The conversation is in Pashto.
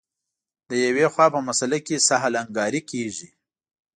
له یوې خوا په مسأله کې سهل انګاري کېږي.